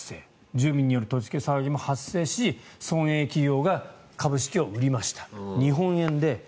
住民による取り付け騒ぎも発生し村営企業が株式を売りました。